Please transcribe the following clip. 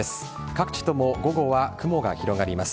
各地とも午後は雲が広がります。